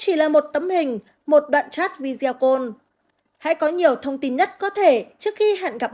chỉ là một tấm hình một đoạn chat video hãy có nhiều thông tin nhất có thể trước khi hẹn gặp